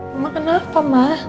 mama kenapa ma